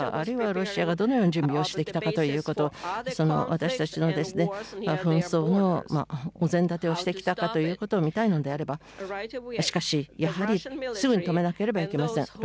ロシアがどのように準備をしてきたかというと私たちの紛争のお膳立てをしてきたかということを見たいのであればしかし、やはりすぐに止めなければいけません。